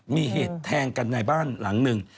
มีเหตุแทงกันในบ้านหลังหนึ่ง